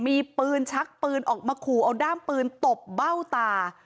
มีปืนชักปืนออกมาขู่เอาด้ามปืนตบเบ้าตา